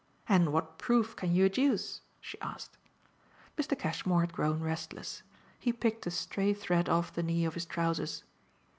And what proof can you adduce?" she asked. Mr. Cashmore had grown restless; he picked a stray thread off the knee of his trousers.